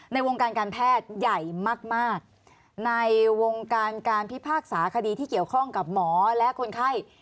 ในวงการการแพทย์ใหญ่มากมากในวงการการพิพากษาคดีที่เกี่ยวข้องกับหมอและคนไข้